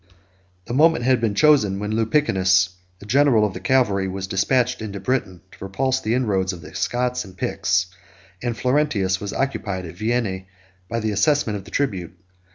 The moment had been chosen, when Lupicinus, 5 the general of the cavalry, was despatched into Britain, to repulse the inroads of the Scots and Picts; and Florentius was occupied at Vienna by the assessment of the tribute.